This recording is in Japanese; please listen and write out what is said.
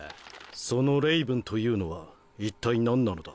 そのレイブンというのは一体何なのだ？